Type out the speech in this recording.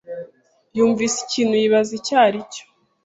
yumvise ikintu yibaza icyo aricyo.